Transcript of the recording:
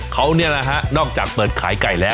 เขาเนี่ยนะฮะนอกจากเปิดขายไก่แล้ว